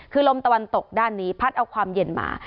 คือลมตะวันตกด้านนี้พัดเอาความเย็นมา